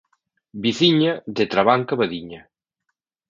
Veciña de Trabanca Badiña.